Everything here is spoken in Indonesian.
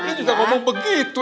dia juga ngomong begitu